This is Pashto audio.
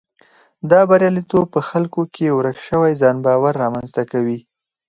دا بریالیتوب په خلکو کې ورک شوی ځان باور رامنځته کوي.